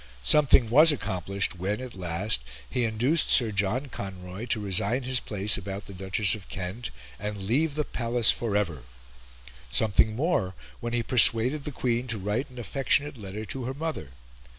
Something was accomplished when, at last, he induced Sir John Conroy to resign his place about the Duchess of Kent and leave the Palace for ever; something more when he persuaded the Queen to write an affectionate letter to her mother.